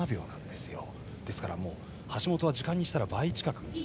ですから橋本は時間にしたら倍近く。